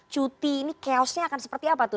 cuti ini chaosnya akan seperti apa tuh